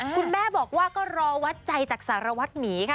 คุณแม่บอกว่าก็รอวัดใจจากสารวัตรหมีค่ะ